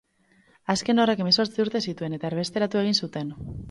Azken horrek hemezortzi urte zituen, eta erbesteratu egin zuten.